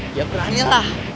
dia berani lah